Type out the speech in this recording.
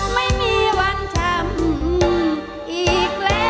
ไม่มีวันช้ำอีกแล้ว